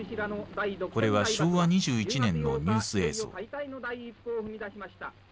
これは昭和２１年のニュース映像。